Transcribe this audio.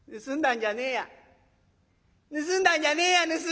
盗んだんじゃねえや盗んだんじゃ」。